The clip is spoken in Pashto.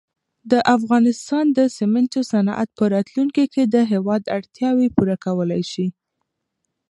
د افغانستان د سېمنټو صنعت په راتلونکي کې د هېواد اړتیاوې پوره کولای شي.